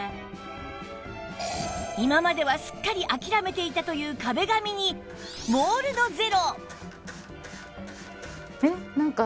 今まではすっかり諦めていたという壁紙にモールドゼロ